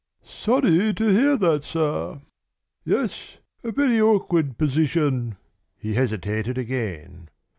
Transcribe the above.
"Sorry to hear that, sir." "Yes, a very awkward position." He hesitated again.